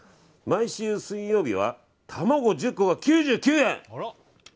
毎週水曜日は卵１０個が９９円。